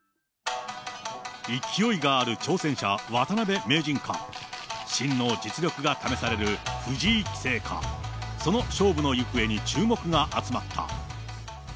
勢いがある挑戦者、渡辺名人か、真の実力が試される藤井棋聖か、その勝負の行方に注目が集まった。